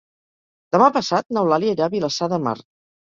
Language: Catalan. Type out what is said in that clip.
Demà passat n'Eulàlia irà a Vilassar de Mar.